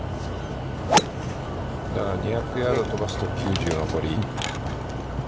だから、２００ヤード、飛ばすと、９０、残り。